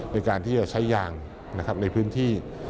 ในการที่จะใช้ยางในพื้นที่